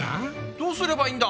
どうすればいいんだ？